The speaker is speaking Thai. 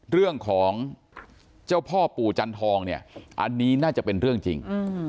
เรื่องของเจ้าพ่อปู่จันทองเนี่ยอันนี้น่าจะเป็นเรื่องจริง